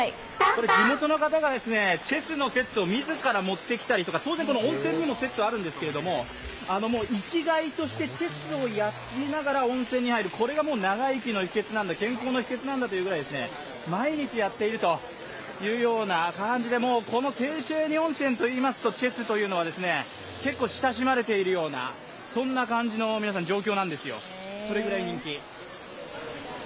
地元の方がチェスのセットを自ら持ってきたりとか、当然、温泉のセットもあるんですけど生きがいとしてチェスをやりながら温泉に入るこれがもう長生きの秘訣なんだ、健康の秘訣なんだというくらい毎日やっているというような感じでこのセーチェーニ温泉といいますとチェスというのは結構親しまれているようなそんな感じの皆さん状況なんですよ、それくらい人気。